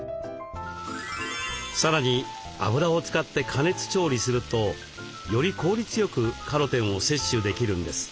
さらに油を使って加熱調理するとより効率よくカロテンを摂取できるんです。